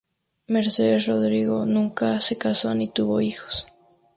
Mercedes Rodrigo nunca se casó ni tuvo hijos.